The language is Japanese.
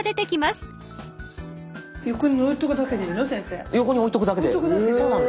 横に置いとくだけで。